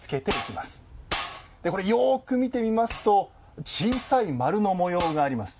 これよく見てみますと小さい丸の模様があります。